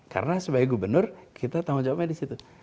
karena sebagai gubernur kita tanggung jawabnya di situ